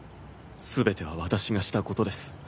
すべては私がしたことです。